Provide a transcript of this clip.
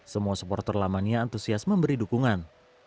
semua supporter lamania antusias memberi dukungan